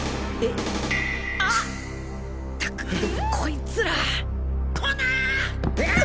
ったくこいつらコナン！